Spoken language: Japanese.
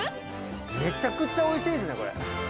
めちゃくちゃおいしいですね、これ。